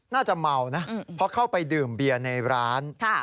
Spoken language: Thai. น่าจะเมานะเพราะเข้าไปดื่มเบียร์ในร้าน